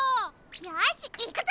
よしいくぞ！